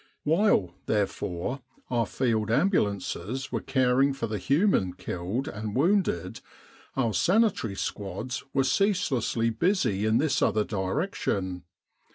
While, therefore, our Field Ambulances were caring for the human killed and wounded, our Sanitary squads were ceaselessly busy in this other direction.